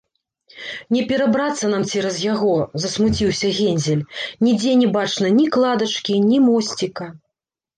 - Не перабрацца нам цераз яго, - засмуціўся Гензель, - нідзе не бачна ні кладачкі, ні мосціка